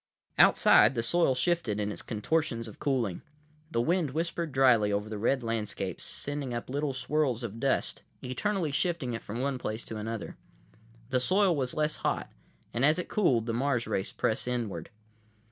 ———— Outside, the soil shifted in its contortions of cooling. The wind whispered dryly over the red landscape, sending up little swirls of dust, eternally shifting it from one place to another. The soil was less hot, and as it cooled, the Mars race pressed inward.